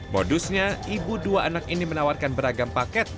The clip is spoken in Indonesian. modusnya ibu dua anak ini menawarkan beragam paket